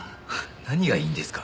何がいいんですか？